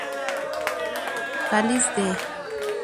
Cáliz de.